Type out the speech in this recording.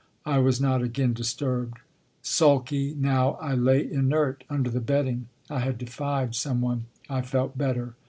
I was not again disturbed. Sulky, now, I lay inert under the bedding. I had defied some one I felt better.